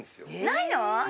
ないの？